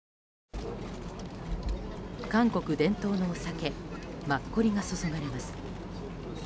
韓国伝統のお酒マッコリが注がれます。